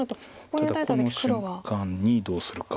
ただこの瞬間にどうするか。